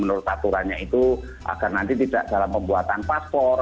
menurut aturannya itu agar nanti tidak dalam pembuatan paspor